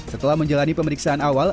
setelah menjalani pemeriksaan awal